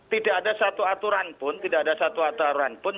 tidak tidak ada satu aturan pun